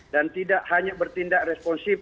dan tidak hanya bertindak responsif